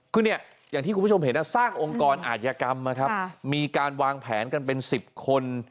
คือเนี่ยอย่างที่คุณผู้ชมเห็นสร้างองค์กรอาธิกรรมนะครับมีการวางแผนกันเป็น๑๐คน